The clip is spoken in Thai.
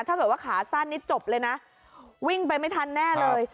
ถ้าเกิดว่าขาสั้นนี่จบเลยนะวิ่งไปไม่ทันแน่เลย